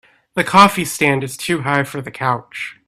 The coffee stand is too high for the couch.